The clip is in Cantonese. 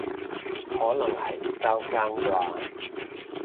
可能係交更啩